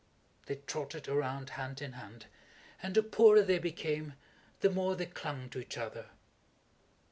They trotted around hand in hand, and the poorer they became the more they clung to each other.